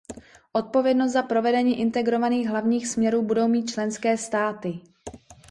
Odpovědnost za provedení integrovaných hlavních směrů budou mít členské státy.